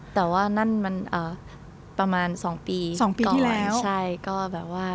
แต่ว่านั่นมันประมาณ๒ปีก่อน